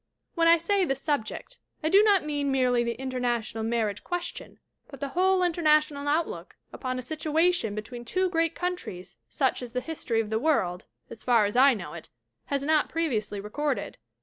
"When I say 'the subject' I do not mean merely the international marriage question, but the whole inter national outlook upon a situation between two great countries such as the history of the world as far as I know it has not previously recorded.